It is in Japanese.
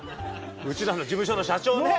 うちらの事務所の社長ね。